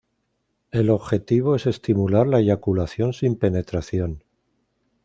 El objetivo es estimular la eyaculación sin penetración.